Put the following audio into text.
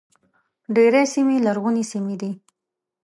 ډېرې سیمې لرغونې سیمې دي.